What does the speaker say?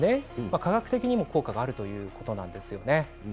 科学的にも効果があるということなんですよね。